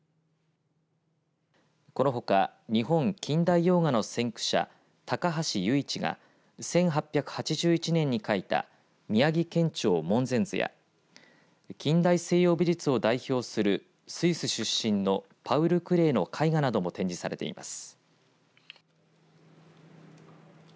このほか日本近代洋画の先駆者高橋由一が１８８１年に描いた宮城県庁門前図や近代西洋美術を代表するスイス出身のパウル・クレーの絵画なども展示されています。